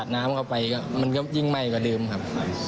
ผมว่าตกใจครับ